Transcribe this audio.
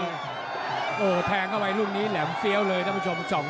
โอ้โหแทงเข้าไปลูกนี้แหลมเฟี้ยวเลยท่านผู้ชม